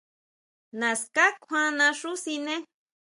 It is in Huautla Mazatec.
Naská kjuan naxú siné.